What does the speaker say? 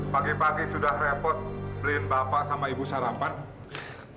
pagi pagi sudah repot brin bapak sama ibu sarapan